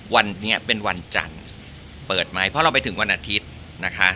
วันนี้เป็นวันจันทร์เปิดไหมเพราะเราไปถึงวันอาทิตย์นะคะ